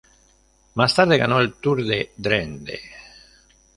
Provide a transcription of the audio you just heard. Más tarde ganó el Tour de Drenthe.